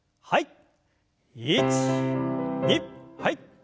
はい。